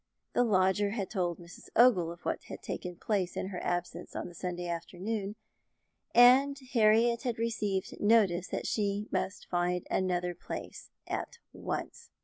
The lodger had told Mrs. Ogle of what had taken place in her absence on the Sunday afternoon, and Harriet had received notice that she must find another place at once.